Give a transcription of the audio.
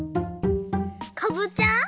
かぼちゃ？